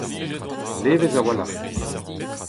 nevez a-walc'h